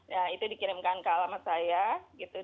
ya itu dikirimkan ke alamat saya gitu